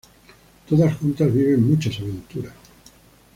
Todas juntas viven muchas aventuras.